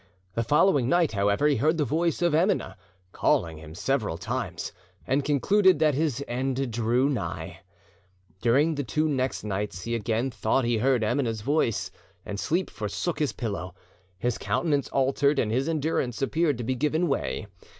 The following night, however, he heard the voice of Emineh, calling him several times, and concluded that his end drew nigh. During the two next nights he again thought he heard Emineh's voice, and sleep forsook his pillow, his countenance altered, and his endurance appeared to be giving way.